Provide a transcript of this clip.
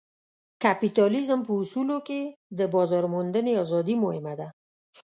کپیټالیزم په اصولو کې د بازار موندنې ازادي مهمه ده.